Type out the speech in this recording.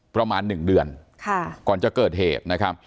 ประมาณ๑เดือนก่อนจะเกิดเหตุ